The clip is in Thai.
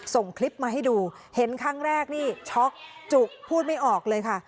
ส่งคลิปมาให้ดูเห็นครั้งแรกนี่ช็อกจุกพูดไม่ออกเลยค่ะ